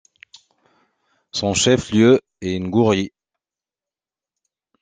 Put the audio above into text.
Son chef-lieu est Ngouri.